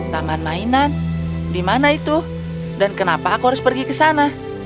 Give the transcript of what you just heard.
taman mainan di mana itu dan kenapa aku harus pergi ke sana